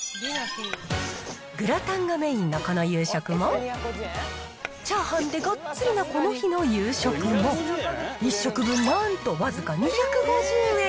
グラタンがメインのこの夕食も、チャーハンでがっつりなこの日の夕食も、１食分なんと僅か２５０円。